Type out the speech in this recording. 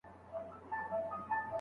په کار تېر کړ